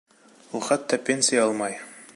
Ул хатта пенсия алмай.